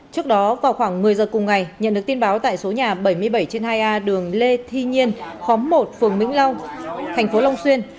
trước đó vào khoảng một mươi giờ cùng ngày nhận được tin báo tại số nhà bảy mươi bảy trên hai a đường lê thi nhiên khóm một phường vĩnh long thành phố long xuyên